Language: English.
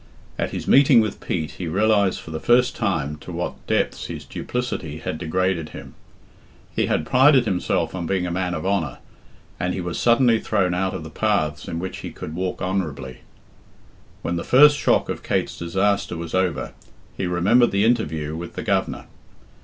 At his meeting with Pete he realised for the first time to what depths his duplicity had degraded him. He had prided himself on being a man of honour, and he was suddenly thrown out of the paths in which he could walk honourably. When the first shock of Kate's disaster was over, he remembered the interview with the Governor.